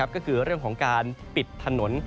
ก็คือเรื่องของการปิดถนน